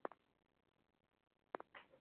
Sisi hatujui wala hatutambui unachosema